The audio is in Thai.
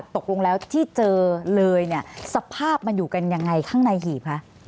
ตกลงแล้วที่เจอเลยสภาพมันอยู่กันอย่างไรข้างในหีบ